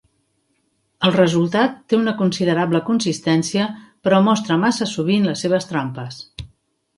El resultat té una considerable consistència però mostra massa sovint les seves trampes.